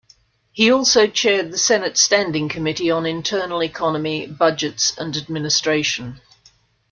He also chaired the Senate Standing Committee on Internal Economy, Budgets and Administration.